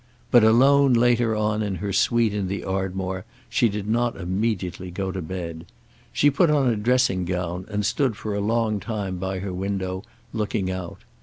But, alone later on in her suite in the Ardmore she did not immediately go to bed. She put on a dressing gown and stood for a long time by her window, looking out.